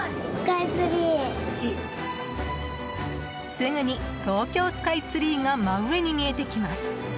すぐに東京スカイツリーが真上に見えてきます。